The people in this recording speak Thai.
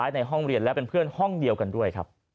ในห้องเรียนและเป็นเพื่อนห้องเดียวกันด้วยครับ